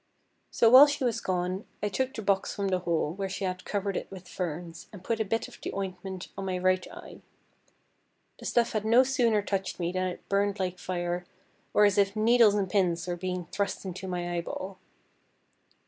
So while she was gone, I took the box from the hole, where she had covered it with ferns, and put a bit of the ointment on my right eye. The stuff had no sooner touched me than it burned like fire, or as if needles and pins were being thrust into my eyeball.